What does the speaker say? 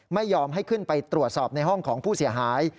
ไม่ยอมให้ขึ้นไปตรวจสอบในห้องของผู้เสียหาย